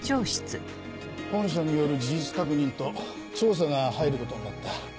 本社による事実確認と調査が入ることになった。